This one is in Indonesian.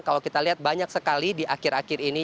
kalau kita lihat banyak sekali di akhir akhir ini